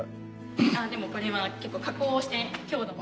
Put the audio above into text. でもこれは結構加工して強度も。